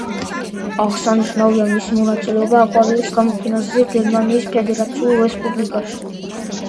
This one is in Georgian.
აღსანიშნავია მისი მონაწილეობა აკვარელის გამოფენაზე გერმანიის ფედერაციულ რესპუბლიკაში.